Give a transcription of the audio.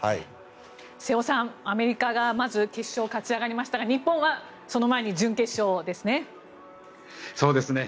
瀬尾さん、アメリカがまず決勝に勝ち上がりましたが日本はその前に準決勝ですね。